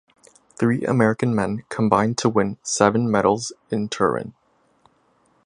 Three American men combined to win seven medals in Turin.